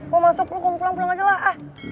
mau masuk lo mau pulang pulang aja lah ah